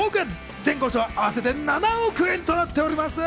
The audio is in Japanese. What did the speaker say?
前後賞合わせて７億円となっております。